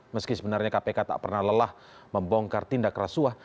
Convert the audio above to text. meski sebenarnya kpk tak pernah lelah membongkar tindak rasuah